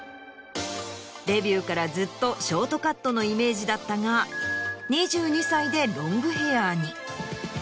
デビューからずっとショートカットのイメージだったが２２歳でロングヘアに。